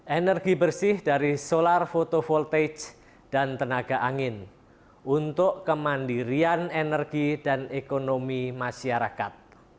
energi bersih dari solar photovoltage dan tenaga angin untuk kemandirian energi dan ekonomi masyarakat